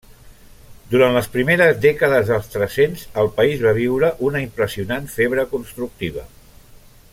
Durant les primeres dècades del tres-cents, el país va viure una impressionant febre constructiva.